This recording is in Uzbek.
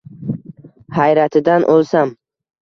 Hayratidan oʼlsam…